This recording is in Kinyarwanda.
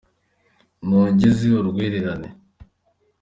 Nogeze urwererane